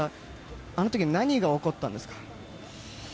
あの時に何が起こったんですか。